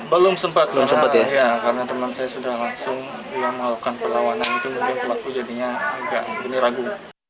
belum sempat belum sempat ya karena teman saya sudah langsung melakukan perlawanan itu mungkin pelaku jadinya agak ini ragu